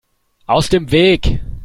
Aus dem Weg!